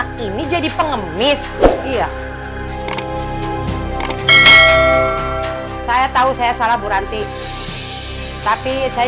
karena kita sekarang harus idep oke